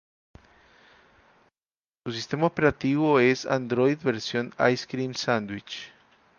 Su Sistema Operativo es Android versión Ice Cream Sandwich.